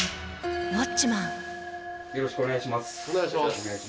よろしくお願いします。